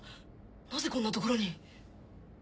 なぜこんな所に